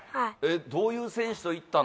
どういう選手と行ったの？